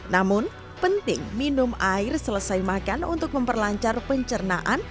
namun penting minum air selesai makan untuk memperlancar pencernaan